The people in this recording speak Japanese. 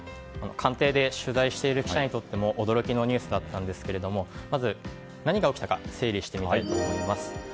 官邸で取材している記者にとっても驚きのニュースだったんですがまず何が起きたか整理したいと思います。